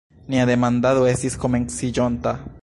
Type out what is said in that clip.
Nia demandado estis komenciĝonta.